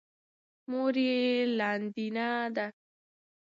مور یې لادینه ده.